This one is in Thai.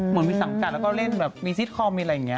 เหมือนมีสังกัดแล้วก็เล่นแบบมีซิตคอมมีอะไรอย่างนี้